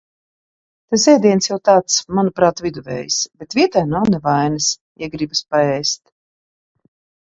Tas ēdiens jau tāds, manuprāt, viduvējs, bet vietai nav ne vainas, ja gribas paēst.